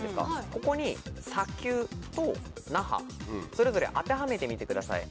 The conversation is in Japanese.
ここに「砂丘」と「ナハ」それぞれ当てはめてみてください。